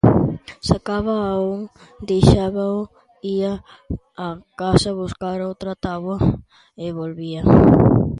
"Sacaba a un, deixábao, ía á casa buscar outra táboa e volvía".